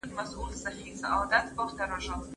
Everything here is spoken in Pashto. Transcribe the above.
تاسو یوازي په خپل ځان تمرکز کوئ.